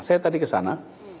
saya tadi kesana